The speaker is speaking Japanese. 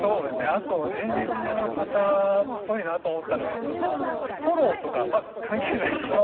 あとエンジニアの方っぽいなと思ったのがフォローとかまず関係ない。